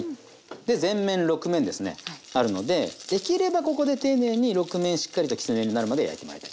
で全面６面ですねあるのでできればここで丁寧に６面しっかりときつね色になるまで焼いてもらいたい。